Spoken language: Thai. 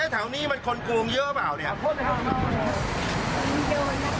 แถวนี้มันคนกรุงเยอะเปล่าเนี่ย